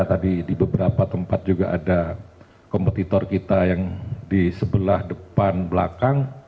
tadi di beberapa tempat juga ada kompetitor kita yang di sebelah depan belakang